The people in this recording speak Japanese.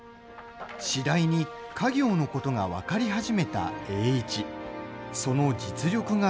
次第に家業のことが分かり始めた栄一。